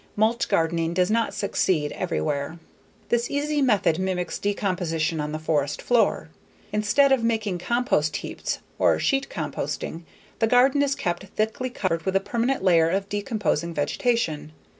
Mulch gardening does not succeed everywhere. This easy method mimics decomposition on the forest floor. Instead of making compost heaps or sheet composting, the garden is kept thickly covered with a permanent layer of decomposing vegetation.